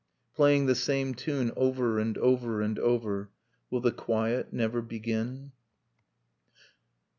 Playing the same tune over and over and over. .. Will the quiet never begin